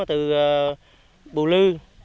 từ bù lư